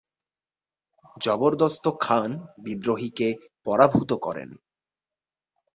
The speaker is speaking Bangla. জবরদস্ত খান বিদ্রোহীকে পরাভূত করেন।